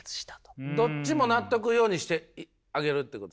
どっちも納得するようにしてあげるっていうこと。